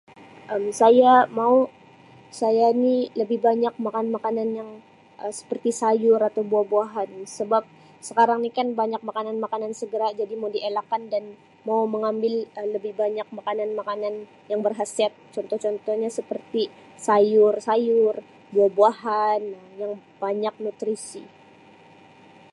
Um Saya mau saya ni lebih banyak makan makanan yang Um seperti sayur atau buah-buahan sebab sekarang ni kan banyak makanan-makanan segara jadi mau di elakkan dan mau mengambil lebih banyak makanan makanan berkhasiat contoh-contohnya seperti sayur-sayur, buah-buahan yang banyak nutrisi.